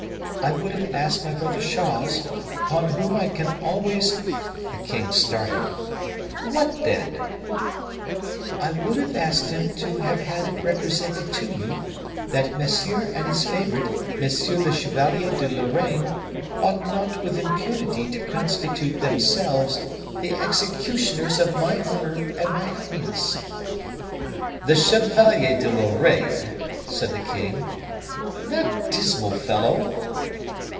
I would have asked my brother Charles, upon whom I can always " The king started. "What, then?" "I would have asked him to have had it represented to you that Monsieur and his favorite M. le Chevalier de Lorraine ought not with impunity to constitute themselves the executioners of my honor and my happiness." "The Chevalier de Lorraine," said the king; "that dismal fellow?"